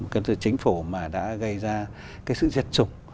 cái sự chính phủ mà đã gây ra cái sự diệt chủng